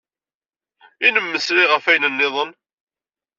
I nemmeslay ɣef wayen niḍen?